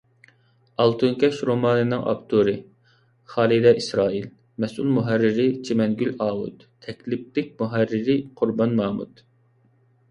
«ئالتۇن كەش» رومانىنىڭ ئاپتورى: خالىدە ئىسرائىل؛ مەسئۇل مۇھەررىرى: چىمەنگۈل ئاۋۇت؛ تەكلىپلىك مۇھەررىرى: قۇربان مامۇت